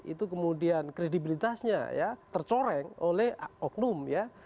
itu kemudian kredibilitasnya ya tercoreng oleh oknum ya